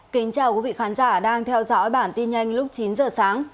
kính chào quý vị khán giả đang theo dõi bản tin nhanh lúc chín giờ sáng